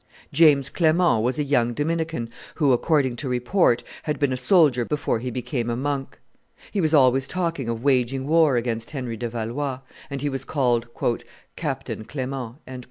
James Clement was a young Dominican who, according to report, had been a soldier before he became a monk. He was always talking of waging war against Henry de Valois, and he was called "Captain Clement."